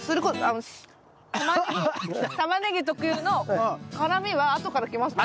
タマネギ特有の辛みはあとからきますけど。